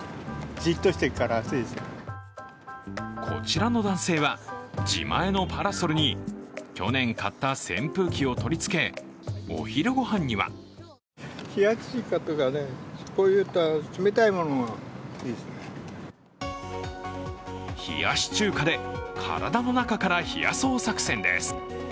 こちらの男性は、自前のパラソルに去年買った扇風機を取り付けお昼ごはんには冷やし中華で体の中から冷やそう作戦です。